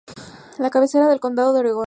La cabecera del condado es Oregón.